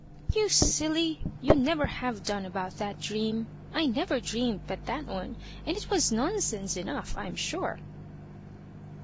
"You silly! you never have done about that dream. I never dreamed but that one, and it was nonsense enough, I'm sure."